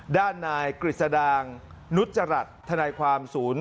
ด้านนายกฤษดางนุจจรัสธนายความศูนย์